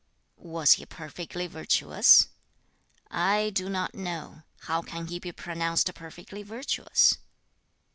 'Was he perfectly virtuous?' 'I do not know. How can he be pronounced perfectly virtuous?'